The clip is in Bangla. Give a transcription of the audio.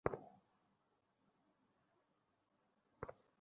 তুই কি মুভির ডিরেক্টর?